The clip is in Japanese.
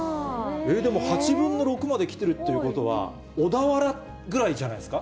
でも、８分の６まで来てるということは、小田原ぐらいじゃないですか？